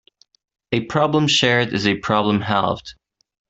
A problem shared is a problem halved.